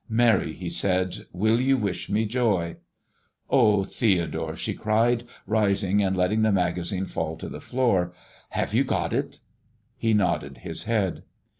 "Mary," he said, "will you wish me joy?" "Oh, Theodore," she cried, rising and letting the magazine fall to the floor, "have you got it?" He nodded his head.